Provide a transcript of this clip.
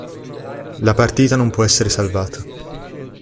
La partita non può essere salvata.